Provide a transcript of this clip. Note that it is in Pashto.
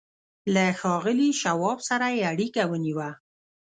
له ښاغلي شواب سره یې اړیکه ونیوه